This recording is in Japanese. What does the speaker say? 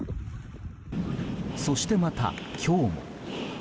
そしてまた、今日も。